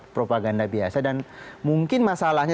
propaganda biasa dan mungkin masalahnya